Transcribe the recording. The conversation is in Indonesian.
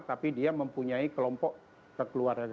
tapi dia mempunyai kelompok kekeluargaan